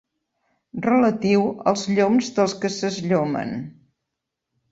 Relatiu als lloms dels que s'esllomen.